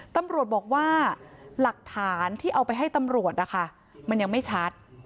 ตำรวจบอกว่าหลักฐานที่เอาไปให้ตำรวจนะคะมันยังไม่ชัด